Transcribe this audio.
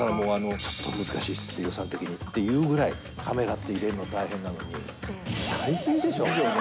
ちょっと難しいです、予算的にっていうぐらい、カメラって入れるの大変なのに、使いすぎでしょ？